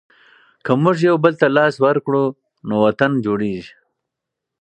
که موږ یوبل ته لاس ورکړو نو وطن جوړېږي.